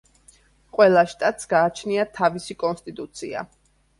ყველა შტატს გააჩნია თავისი კონსტიტუცია.